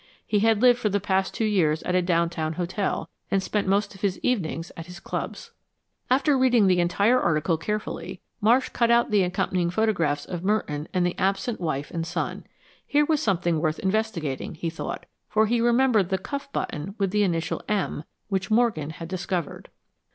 He had lived for the past two years at a downtown hotel, and spent most of his evenings at his clubs. After reading the entire article carefully, Marsh cut out the accompanying photographs of Merton and the absent wife and son. Here was something worth investigating, he thought, for he remembered the cuff button with the initial "M," which Morgan had discovered.